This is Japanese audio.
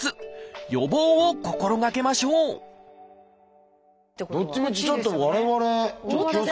予防を心がけましょうどっちもちょっと我々気をつけないと。